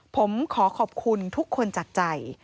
ผมขอขอบคุณทุกคนจากใจ